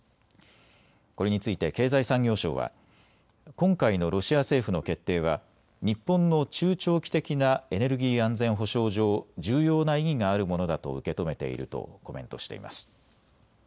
これについて経済産業省は今回のロシア政府の決定は日本の中長期的なエネルギー安全保障上、重要な意義があるものだと受け止めているとコメントしています。